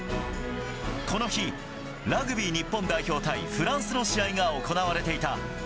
この日、ラグビー日本代表対フランスの試合が行われていた。